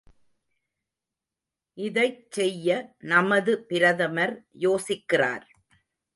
இதைச் செய்ய நமது பிரதமர் யோசிக்கிறார்!